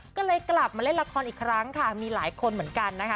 ก็เลยกลับมาเล่นละครอีกครั้งค่ะมีหลายคนเหมือนกันนะคะ